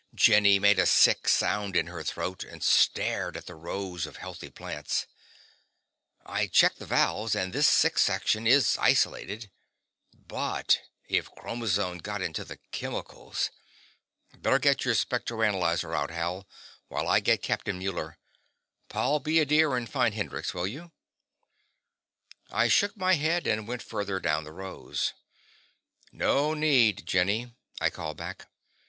Jenny made a sick sound in her throat and stared at the rows of healthy plants. "I checked the valves, and this sick section is isolated. But if chromazone got into the chemicals.... Better get your spectroanalyzer out, Hal, while I get Captain Muller. Paul, be a dear and find Hendrix, will you?" I shook my head, and went further down the rows. "No need, Jenny," I called back.